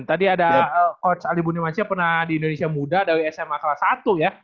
tadi ada coach ali bunimansyah pernah di indonesia muda dari sma kelas satu ya